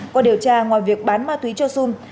qua điều tra ngoài việc bán ma túy cho xung